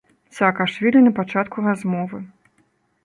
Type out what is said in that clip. Саакашвілі на пачатку размовы.